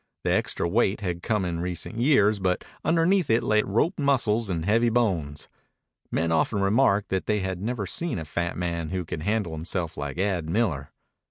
The extra weight had come in recent years, but underneath it lay roped muscles and heavy bones. Men often remarked that they had never seen a fat man who could handle himself like Ad Miller.